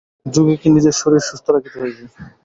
যোগীকে নিজের শরীর সুস্থ রাখিতে হইবে।